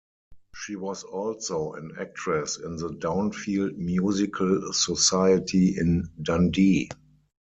She was also an actress in the Downfield Musical Society in Dundee.